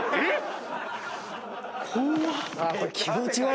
えっ⁉